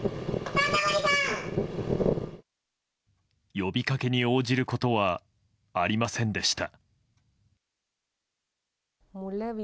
呼びかけに応じることはありませんでした。